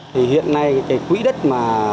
thì hiện nay cái quỹ đất mà